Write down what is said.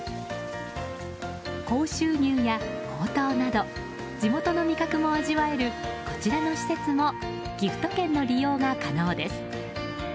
甲州牛やほうとうなど地元の味覚も味わえるこちらの施設もギフト券の利用が可能です。